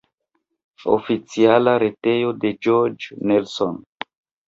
Oficiala retejo de George Nelson.